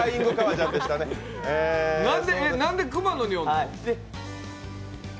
なんで熊野におんの？